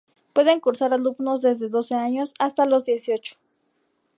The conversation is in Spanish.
Pueden cursar alumnos desde doce años hasta los dieciocho.